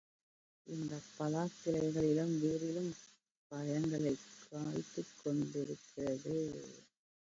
இந்தப் பலா கிளைகளிலும் வேரிலுமே பழங்களைக் காய்த்துக் கொண்டிருக்கிறது.